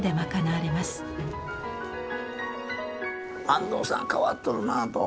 安藤さん変わっとるなあと。